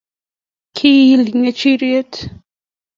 ki il ng'echere